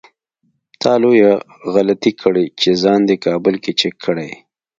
تا لويه غلطي کړې چې ځان دې کابل کې چک کړی.